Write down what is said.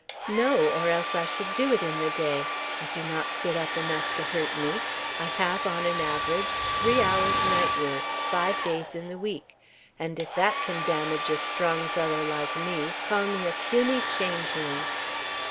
"No. Or else I should do it in the day. I do not sit up enough to hurt me. I have, on an average, three hours' night work, five days in the week; and if that can damage a strong fellow like me, call me a puny changeling."